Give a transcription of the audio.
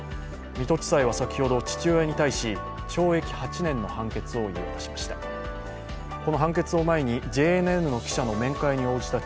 水戸地裁は、先ほど父親に対し懲役８年の判決を言い渡しました。